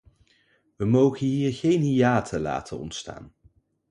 We mogen hier geen hiaten laten ontstaan.